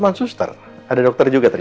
kamu tau kan